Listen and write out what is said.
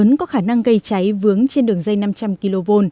cũng có khả năng gây cháy vướng trên đường dây năm trăm linh kv